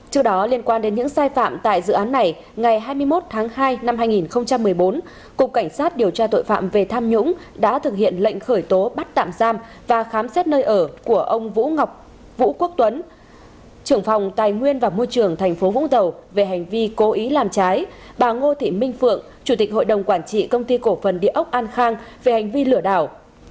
trước đó liên quan đến những sai phạm tại dự án này ngày hai mươi một tháng hai năm hai nghìn một mươi bốn cục cảnh sát điều tra tội phạm về tham nhũng đã thực hiện lệnh khởi tố bắt tạm giam và khám xét nơi ở của ông vũ quốc tuấn trưởng phòng tài nguyên và môi trường tp vũng tàu về hành vi cố ý làm trái bà ngô thị minh phượng chủ tịch hội đồng quản trị công ty cổ phần địa ốc an khang về hành vi lửa đảo